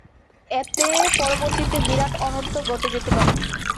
এতে পরবর্তীতে বিরাট অনর্থ ঘটে যেতে পারে।